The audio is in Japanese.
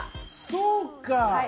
そうか！